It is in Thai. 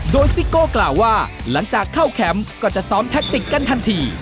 โดยซิโก้กล่าวว่าหลังจากเข้าแคมป์ก็จะซ้อมแท็กติกกันทันที